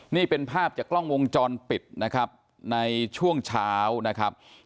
นี่เป็นภาพจากกล้องวงจรปิดนะครับในช่วงเช้านะครับ